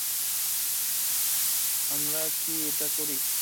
আমরা কি এটা করি?